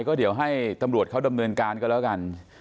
ก็เดี๋ยวให้ตำรวจเขาดำเนินการก็แล้วกัน